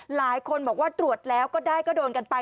หลายคนบอกว่าตรวจแล้วก็ได้ก็โดนกันไป